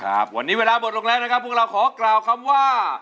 ครับวันนี้เวลาหมดลงแล้วนะครับพวกเราขอกล่าวคำว่า